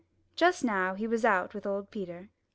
Just now he was out with old Peter.